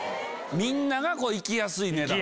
みんなが行きやすい値段。